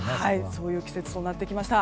そういう季節となってきました。